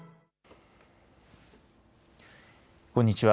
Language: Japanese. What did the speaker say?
こんにちは。